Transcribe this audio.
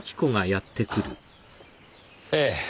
ええ。